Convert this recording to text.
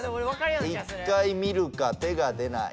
一回見るか手が出ない。